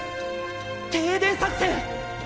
停電作戦！